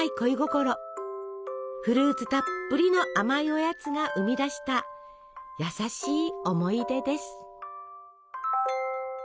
フルーツたっぷりの甘いおやつが生み出した優しい思い出です。